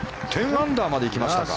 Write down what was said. １０アンダーまで行きましたか。